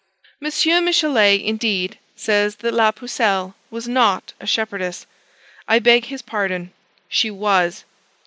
M. Michelet, indeed, says that La Pucelle was not a shepherdess. I beg his pardon: she was.